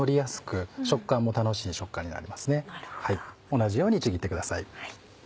同じようにちぎってください。